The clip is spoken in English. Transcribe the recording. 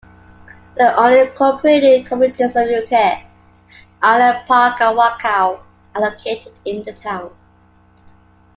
The unincorporated communities of Eureka, Island Park, and Waukau are located in the town.